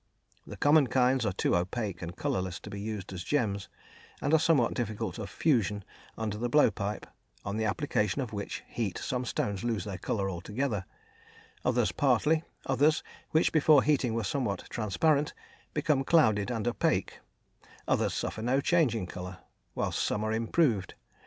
The common kinds are too opaque and colourless to be used as gems and are somewhat difficult of fusion under the blowpipe, on the application of which heat some stones lose their colour altogether, others partly; others, which before heating were somewhat transparent, become clouded and opaque; others suffer no change in colour, whilst some are improved.